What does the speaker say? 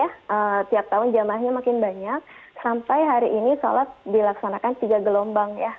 setiap tahun jamaahnya makin banyak sampai hari ini sholat dilaksanakan tiga gelombang ya